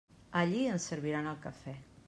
Allí ens serviran el cafè.